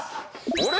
あれ？